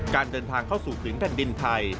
การเดินทางเข้าสู่ถึงแผ่นดินไทย